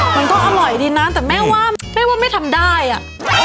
มันก็อร่อยดีนะแต่แม่ว่าแม่ว่าไม่ทำได้อ่ะ